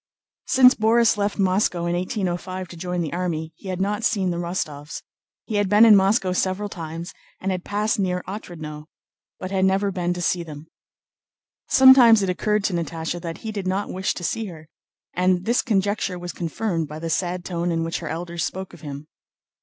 Since Borís left Moscow in 1805 to join the army he had not seen the Rostóvs. He had been in Moscow several times, and had passed near Otrádnoe, but had never been to see them. Sometimes it occurred to Natásha that he did not wish to see her, and this conjecture was confirmed by the sad tone in which her elders spoke of him.